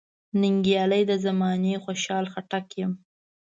ننګیالی د زمانې خوشحال خټک یم .